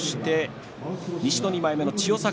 西の２枚目の千代栄